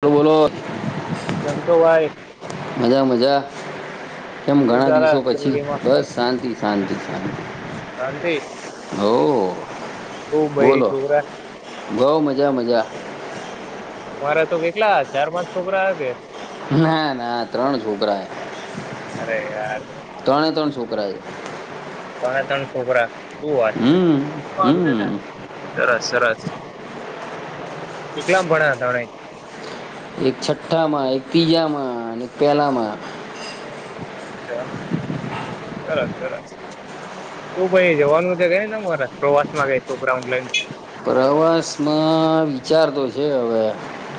બોલો બોલો. કેમ છો ભાઈ મજા મજા કેમ શું ઘણા ચાલે દિવસો પછી જિંદગીમાં બસ શાંતિ શાંતિ શાંતિ હો હું બૈરી બોલો છોકરા બઉ મજા મજા. મારે તો કેટલા ચાર પાંચ છોકરા આવે ના ના ત્રણ છોકરા અરે યાર ત્રણે ત્રણ છોકરા છે ત્રણે ત્રણ છોકરા શું વાત છે હમ હમ [unintelligible] સરસ સરસ કેટલામ ભણ્યા ત્રણે એક છઠ્ઠામાં એક તીજામાં અને એક પેલામાં અચ્છા સરસ સરસ તું ભાઈ જવાનું છે ગનેરા પ્રવાસમાં છોકરાઓ ને લઈ ને પ્રવાસમાં વિચાર તો છે હવે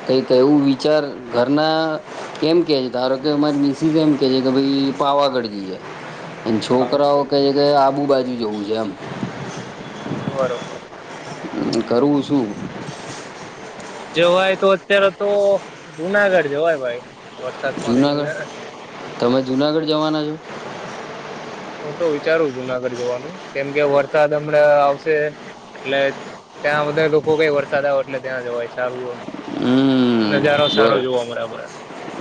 કઈક એવું વિચાર ઘરના કેમ કે છે ધારો કે મા મારી મિસિસ એમ કે છે કે ભાઈ પાવાગઢ જઈએ અને છોકરાઓ અચ્છા કહે કે આબુ બાજુ જવું છે એમ બરોબર કરું છું જવાય તો અત્યારે તો જુનાગઢ જવાય ભાઈ વરસાદ પાણીનું છે જુનાગઢ ને તમે જુનાગઢ જવાના છો હું તો વિચારું જુનાગઢ જોવાનું કેમ કે વરસાદ હમણાં આવશે એટલે ત્યાં બધા લોકો કઈ વરસાદ આવે એટલે ત્યાં જવાય સારું હોય એમ હમમ નજારો સારો બરો જોવા મળે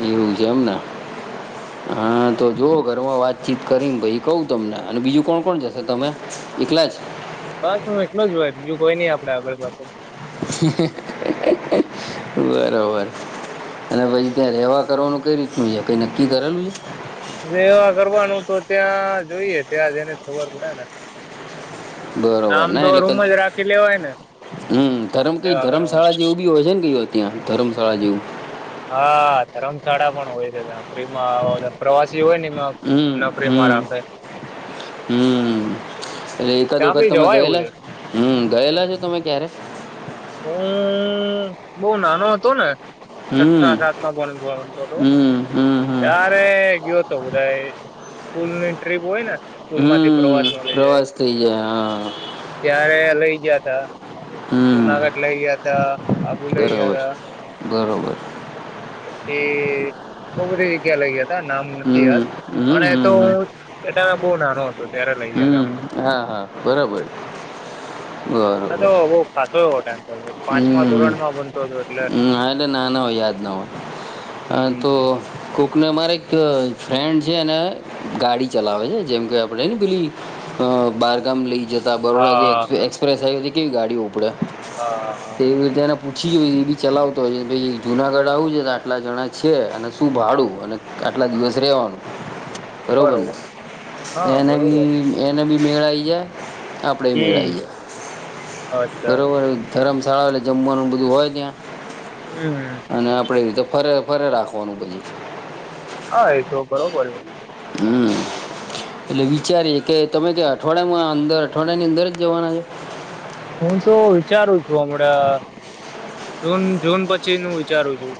મ્યુઝિયમના હમ હા તો જોવો ઘરમાં વાતચીત કરીને ભઈ કઉ તમને અને બીજું કોણ કોણ જશે તમે એકલા જ બસ હું એલો જ હોય બીજું કોય નહી આપડે આગળ પાછ બરોબર અને પછી ત્યાં રેવા કરવાનું કઈ રીતનું છે કઈ નક્કી કરેલું છે રહેવા કરવાનું તો ત્યાં જોઈએ ત્યાં જઈને ખબર પડે ને બરોબર આમ ના તો એટલે રૂમ તમ જ રાખી લેવાય ને હમ ધર્મ કઈ રેવા કરવા ધર્મશાળા જેવું બી હોય છે ને ક હોય ત્યાં ધરમ કાળજું હા ધરમશાળા પણ હોય છે ફ્રી માં આવા પ્રવાસી હોય ને એમાં હમ નફરીમાં હમ રાખે હમ એટલે એકાદ ત્યાં વખત બી તમે જવાય એવું ગયેલા છે હમ ગયેલા છો તમે ક્યારે હમ હું નાનો હતો ને હમ છઠ્ઠા સાતમાં ભણતો હતો હમ હમ હમ ત્યારે ગયો હતો બધાય સ્કૂલ ની ટ્રિપ હોય ને સ્કૂલ માંથી હમ પ્રવાસમાં લઈ જાય પ્રવાસ થઇ જાય હા આ હમ જુનાગઢ લઇ ગયા તા આબુ લઇ ગયા બરોબર તા બરોબર એ [unintelligible] લઈ ગયા હતા નામ નથી હમ યાદ પણ હમ એ હમ તો હમ હું ત્યારે બહુ નાનો હતો ત્યારે લઈ ગયા તા હમ અમને હા હા બરાબર આ તો બરોબર બહુ ખાસો એવો ટાઈમ તો પાંચમા હમ ધોરણમાં ભણતો હતો એટલે હમ એટલે નાના હોય યાદ ના હોય હમ તો કોકને અમારે એક અ ફ્રેન્ડ જે એને ગાડી ચલાવે છે જેમ કે આપણે પેલી અ બારગામ લઈ જત બરોડા જે હા એક્સપ્રેસ હાઇવેથી તેવી ગાડીઓ પડે હા એવી રીતેને પૂછી જોય એ બી ચલાવતો હોય છે ભાઈ જુનાગઢ આવું છે તો આટલા જણા છે અને શું ભાડું અને આટલા દિવસ રેવાનું બરોબર ને હા એ ને અમ બરોબર એને બી મેળાઈયા આપણે હમ મેળાઈયે અચ્છા બરોબર ધરમશાળા એટલે જમવાનું બધું હોય ત્યાં હમ અને આપડે એવી તો ફરે ફરે રાખવાનું બધું હા એ તો બરોબર હમ એટલે વિચારીએ કે તમે કે અઠવાડિયામાં અંદર અઠવાડિયાની અંદર જ જવાના છે. હું તો વિચારું છું હમણાં જૂન જૂન પછીનું વિચારું છું.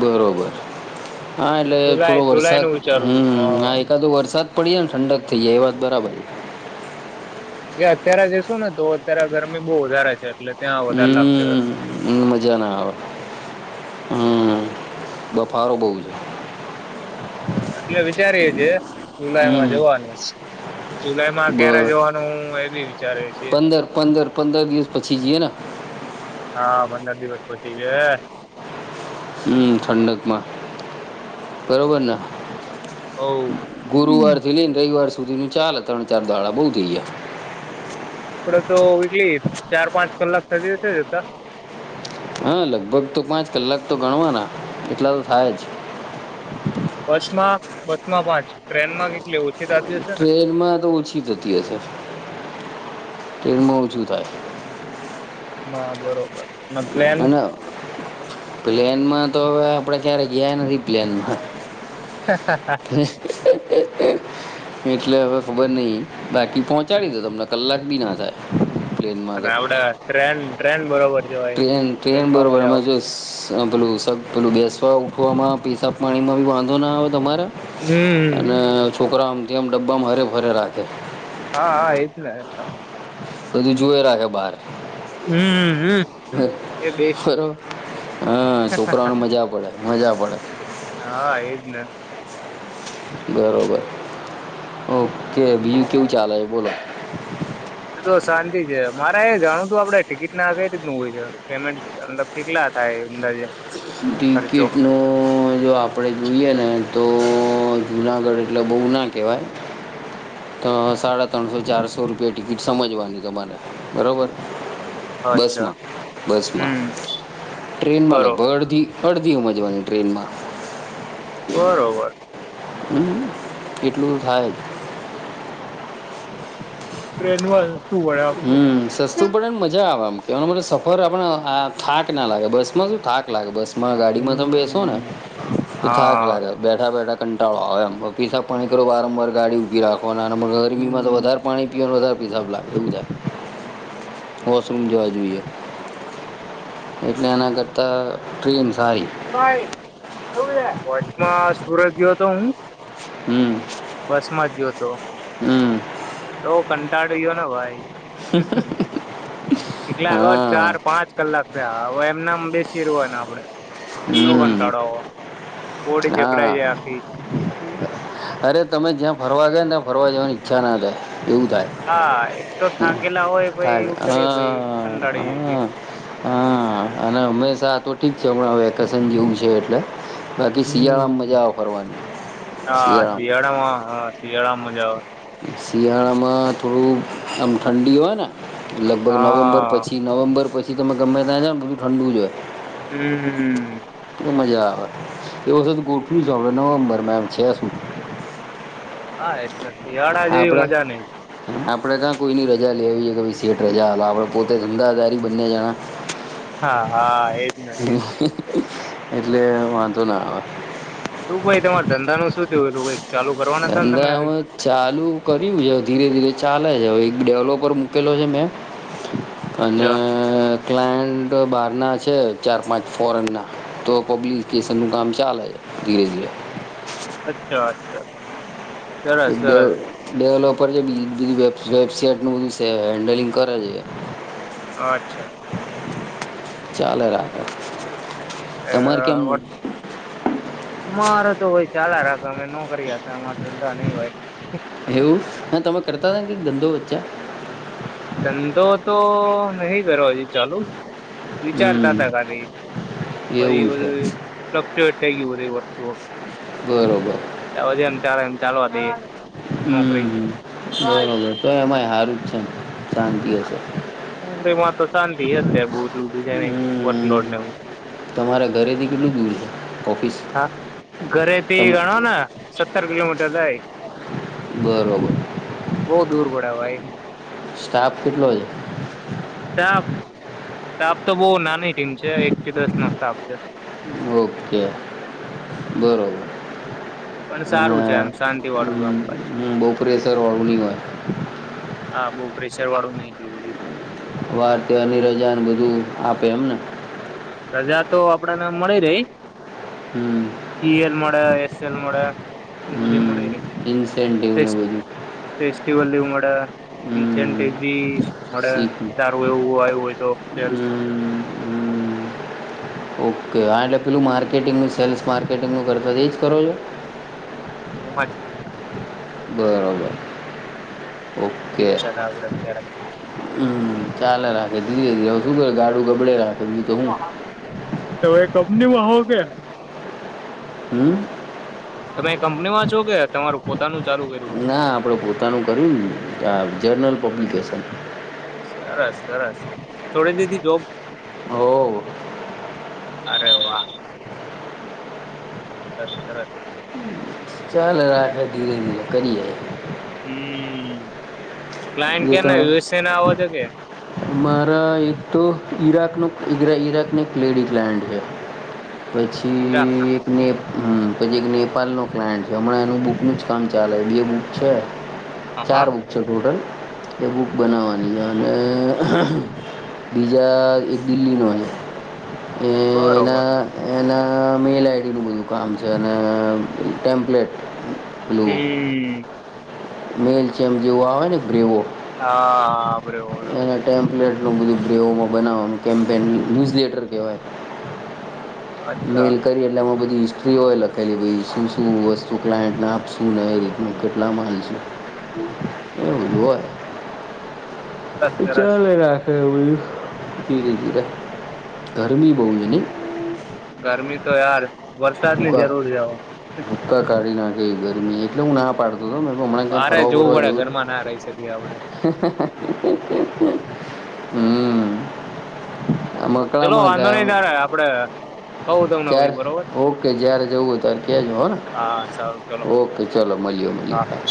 બરોબર હા એટલે થોડો જુલાઈ જુલાઈ વરસાદ નું વિચારું છું હમ હા એકાદો વરસાદ પડી જાય ને ઠંડક થઇ જાય એ વાત બરાબર જે અત્યારે જયશું ને તો અત્યારે ગરમી બો વધારે છે એટલે ત્યાં વધારે લાગશે ગરમી. હમ મજા ના આવે હમ બફારો બઉ છે. એટલે વિચારીએે છે હમ જુલાઈમાં જવાનું જ જુલાઈમાં ક્યારે બર જવાનું એ બી વિચારીએ છીએ પંદર પંદર પંદર દિવસ પછી જઈએ ને હા પંદર દિવસ પછી ગયે હમ ઠંડકમાં બરોબરને હવ. ગુરુવારથી લઈને રવિવાર સુધીનું ચાલે ત્રણ ચાર દાળા બોવ થઈ ગયા આપડે તો કેટલી ચાર પાંચ કલાક એટલા દિવસ જતા હા લગભગ તો પાંચ કલાક તો ગણવાના એટલા તો થાય જ બસમાં બસમાં પાંચ ટ્રેનમાં કેટલી ઓછી થાત ટ્રેનમાં તો ઓછી જતી હશે ટ્રેનમા ઓછુ થાય. બરાબરો બ અને પ્લેનમાં તો હવે આપડે ક્યારે [unintelligible] પ્લેનમાં [inaudible] એટલે હવે ખબર નહિ બાકી પહોંચાડી દે તમને કલાક ભી ના થાય પ્લેનમાં તો અને [unintelligible] ટ્રેન ટ્રેન બરોબર કેવાય ટ્રેન ટ્રેન ટ્રેનમાં બરોબર મજા અમે આવે. જો પેલું પેલું બેસવા [unintelligible] પીસાબ પાણીમાં ભી વાંધો ના આવે તમારે હમ છોકરાઓ [unintelligible] ડબ્બામાં હરે ભરે રાખે હા હા એ જ ચાલ બધું જુવે રાખે બાર હમ્મ હમ્મ. એ બેસ્ટ [unintelligible] હા છોકરાઓને મજા પડે મજા પડે હા એજ ને બરોબર ઓકે બીજુ કેવું ચાલે બોલો તો શાંતિ [unintelligible] મારે જાણવુ હતું આપડે ટિકિટ ના કઈ રીતનું હોય છે પેમેન્ટલ કેલા થાય અંદાજે ખર્ચો ટિકિટનું જો આપણે જોઈએ ને તો જુનાગઢ એટલે બો ના કહેવાય તો સાડા ત્રણસો ચારસો રૂપિયા ટિકિટ સમજવાની તમારે બરાબર અચ્છા બસમાં બસમાં હમ્મ ટ્રેનમાં લગ બરોબર. બડધી અડ [unintelligible] ટ્રેનમાં બરોબર હમ કેટલું થાય જ ટ્રેન મા હમ સસ્તું પડે ને મજા આવે‌ આમ [unintelligible] સફર આપડ આ થાક ના લાગે બસ માં શું થાક લાગે બસ મા ગાડીમાં તમે બેસો ને હમ્મ તો થાક હા લાગે બેઠા બેઠા કંટાળો આવે એમ પીસાબ પાણી કરો વારમવાર ગાડી ઉભી રાખ [unintelligible] ગરમીમાં હમ્મ વધારે પાણી પિવા વધારે [unintelligible] વોશરૂમ જોવા જોઈએ એટલે એના કરતા ટ્રેન સારી ભાઈ [unintelligible] સુરત ગયો હતો હું હમ બસ માંજ ગી તો હમ તો કંટાળી ગયો ને ભાઈ હહ હ એકલા ચાર પાંચ કલાક થયા આ હવે એમનામ બેસીરેવાનું આપડે. આયનો હમ કંટાળાઓ હા અરે તમે જ્યાં ફરવા ગયાતા ફરવા જવાની ઈચ્છા ના થાય. એવું થાય હા એક તો થાકેલા હોય પહી થાય ઉતરીએ પહી હ કંટાળી જઈએ હ હ અને હમેશા ઠીક છે હમણાં વેકેશન જેવું છે એટલે બાકી શિયાળામાં હમ્મ. મજા આવ કરવાની શિયાળા. જ. શિયાળામાં થોડુંક આમ ઠંડી હોય ને લગભગ નવેમ્બર હા પછી નવેમ્બર પ છી તમે ગમે ત્યાજા ને બધું ઠંડુ જો. હમ. મજા આવે એ ગોઠવી છે નવમબર છે સુ હા એજ ને શિયાળા જેવી મજા નઈ. આપડે ત્યાં કોઈની રજા લેવી છે કે ભ સે રજા આપડે પોતે ધંધાધારી બંને જણા. હા હા એજ ને. એટલે વાંધો ના આવે. તું ભાઈ તમારે ધંધા નું શું થયું એલું ભાઈ. ધંધામાં ચાલુ કર્યું એ ઘીરે ધીરે ચાલે જ ડેવલોપર મૂકેલો છે મેં. અને અચ્છા ક્લાયન્ટ બાર ના છે. ચાર પાંચ ફોરેનના તો પબ્લિકેશનનું કામ ચાલે ધીરે ધીરે. અચ્છા અચ્છા. સરસ એક ડે સરસ ડેવલોપર છે બી વેબસાઇટ નું. તે હેન્ડલિંગ કરે છે. અચ્છા. ચાલે રાખે. તમારે કેમનું અમારે તો હોય. ચાલા રાતો અમે નો કરીયા હતા આમા ધંધા નહી હોય. એવું હ તમે કરતા હતા ને કક ધંધો વચ્ચે. ધંધો તો નહી કરો હજી ચાલુ. વિચારતા હમ તા કા ને પહી એવું છે બધું ટોક્યૂટ થાય ગયું બ તે વસ્તુઓ બરોબર જ એમ ચાલ એમ ચાલવા તે હમ બરોબર તો એમાંય હારું જ છે શાંતિ હશે રીમાં તો શાંતિ અત્યારે બુંિઝઇનિ હમ્મ વકલોડને તમારા ઘરેથી કેટલું દૂર છે ઓફિસ હા ઘરેથી તમ ગણો ને સત્તર કિલોમીટર દાય બરોબર બહુ દૂર પડે ભાઈ સ્ટાફ કેટલો છે [inaudible] તેપ તો આપ તો બહ નાની ટીમ છે એક કે દસ નકતા આપ ઓકે બરોબર પણ અને સારું છે આમ શાંતિ વાળું આમ હમ્મ ભાઈ હમ્મ બહુ પ્રેશરવાળું નહીં હોય હા બહ પ્ર વાળું નહીિ એટલું બધું વાર તે અની રજાને બધું આપે એમને પ્રજા તો આપડને મળી રહી હમ્મ ઈ એલ મળ એસ એલ મળ એ બ હમ્મ મળ ઇન્સેન્ટિવ ને બધું શિવલી ઉમડા હમ્મ ઇી મળે શીખ સારું એવું આવ્યું હોય તો સ હમ હમ ઓકે આ એટલે પેલું માર્કેટિંગનું સેલ્સ માર્કેટિંગનું કર તો એ જ કરો છો [inaudible] બરોબર ઓકે એજ ચલાવે અત્યારે હ ચાલે રાખ એ શું કરે ગાડું ગબડે સમજીી ક હું તમની વાગ હમ તમે કંપની માં છો કે તમારું પોતાનું ચાલુ કર્યું ના આપડે પોતાનું કર્યું આ જર્નલ પબ્લિકેશન સરસ સરસ છોડી દીધી જોબ હો અરે વા વા બસ સરસ ચાલ રાખે ધીરે ધીરે કદી આવી હમ ક્લાયન્ટ જે ત ક્યાંના યુએસએ ના આવો છો કે મારા એક તો ઈરાકનું ઈરા ઈરાકને લેડીગ્લેન્ડ છે ઈરાક પછી એક મેનેપ હમ પછી એક નેપાલનોો ક્લાયન્ટ છે હમણાં એનું બુકનું જ કામ ચાલે બે બુક છે હા હા ચાર મુુખ છે ટોટલ એ બુક બનાવવાની છે અને બીજા એક દિલ્હીનો છે બરોબર એના એના મેલ આઈડીનુંું બધું કામ છે અને ટેમ્પલેટ હમ મેલચ એમ જેવું આવે ને બ્ર્રીવ હાર એટલું બધું બ્રેવમાં બનાવવાનું કેમ્પેન ન્યૂઝ લેટર કહેવાય અચ્છા મેલ કરી એલામાં બધી છ ફ્રી હોય લખેલી ભ શું શું વસ્તુ ક્લાયન્ટને આપશું ને એ રીતના કેટલા માલ છે એ બલું સરસ સરસ ચલે રાખે ીક જીર હ ગરમી તો યાર વરસાદની ભૂકા જરૂર જવો ક ગરમી એટલે હું ના પાડતો બ મેં હમણાં ક્યાં બારે ફરવા ફરવા પડે જોવું ઘરમાં ના રહી શકીએ આપડે હમ આમ ચલો અકળામણ વાંધો થાય આમ નઈિ તારે આપડે ખવું તમને ભ ક્યારે બરોબર ઓકે જય્યારે જવું હો ત્યારે કજ હો હા સારું ચલો ઓકે ચલોો મળીએ મળ હા